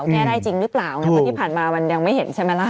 แก้ได้จริงหรือเปล่าไงเพราะที่ผ่านมามันยังไม่เห็นใช่ไหมล่ะ